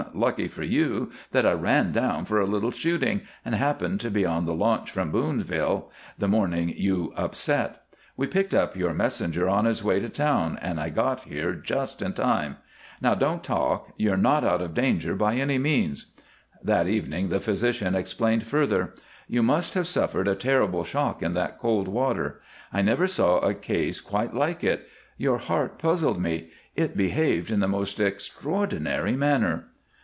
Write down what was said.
Lucky for you that I ran down for a little shooting and happened to be on the launch from Boonville the morning you upset. We picked up your messenger on his way to town, and I got here just in time. Now don't talk. You're not out of danger by any means." That evening the physician explained further: "You must have suffered a terrible shock in that cold water. I never saw a case quite like it. Your heart puzzled me; it behaved in the most extraordinary manner."